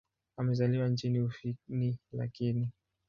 Amezaliwa nchini Ufini lakini.